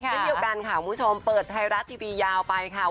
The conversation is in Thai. เช่นเดียวกันค่ะคุณผู้ชมเปิดไทยรัฐทีวียาวไปค่ะ